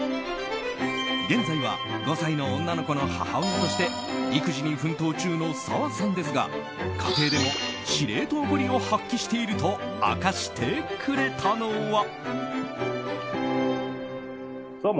現在は５歳の女の子の母親として育児に奮闘中の澤さんですが家庭でも司令塔ぶりを発揮していると明かしてくれたのは。